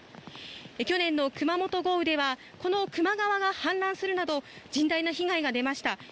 去年の熊本豪雨ではこの球磨川が氾濫するなど甚大な被害が出ました。